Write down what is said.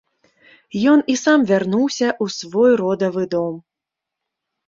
Ён і сам вярнуўся ў свой родавы дом.